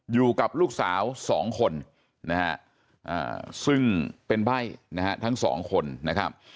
อยู่กับลูกสาวสองคนนะครับซึ่งเป็นใบ้ทั้งสองคนนะครับ